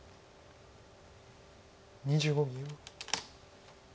２５秒。